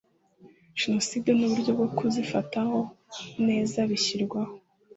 jenoside n uburyo bwo kuzifata neza bishyirwaho